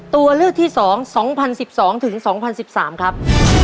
ตัวเลือกที่๒๒๐๑๒ถึง๒๐๑๓ครับ